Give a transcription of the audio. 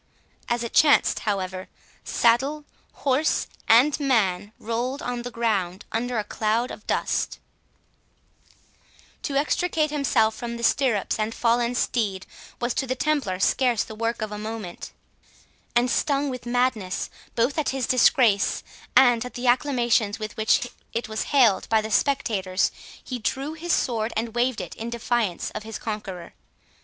As it chanced, however, saddle, horse, and man, rolled on the ground under a cloud of dust. To extricate himself from the stirrups and fallen steed, was to the Templar scarce the work of a moment; and, stung with madness, both at his disgrace and at the acclamations with which it was hailed by the spectators, he drew his sword and waved it in defiance of his conqueror.